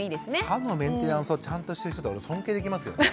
歯のメンテナンスをちゃんとしてる人って俺尊敬できますよね。